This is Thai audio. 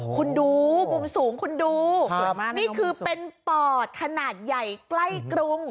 คุณดูมุมสูงคุณดูสวยมากนี่คือเป็นปอดขนาดใหญ่ใกล้กรุง